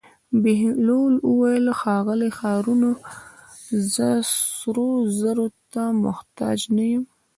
بهلول وویل: ښاغلی هارونه زه سرو زرو ته محتاج نه یم.